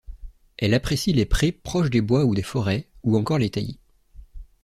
Elle apprécie les prés proches des bois ou des forêts, ou encore les taillis.